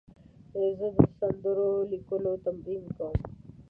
زه د سندرو لیکلو تمرین کوم.